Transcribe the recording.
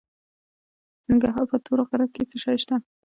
د ننګرهار په تور غره کې څه شی شته؟